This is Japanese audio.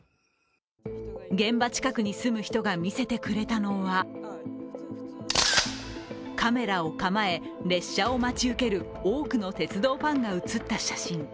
現場近くに住む人が見せてくれたのはカメラを構え、列車を待ち受ける多くの鉄道ファンが写った写真。